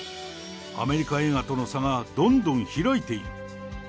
アメリカ映画との差がどんどん開いている。